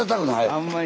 あんまり。